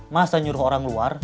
masa nyuruh orang luar